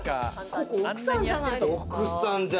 ここ奥さんじゃないですか？